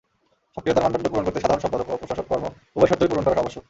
সক্রিয়তার মানদণ্ড পূরণ করতে সাধারণ সম্পাদনা ও প্রশাসক-কর্ম উভয় শর্তই পূরণ করা আবশ্যক।